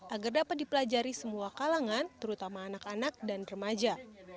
agar dapat dipelajari semua kalangan terutama anak anak dan remaja